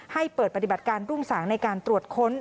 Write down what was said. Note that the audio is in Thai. ให้เปิดปฏิบัติการรุ่งสางในการตรวจค้น